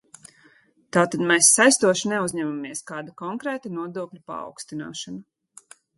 Tātad mēs saistoši neuzņemamies kāda konkrēta nodokļa paaugstināšanu.